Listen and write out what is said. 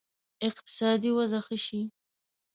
اقتصادي وضع ښه شي.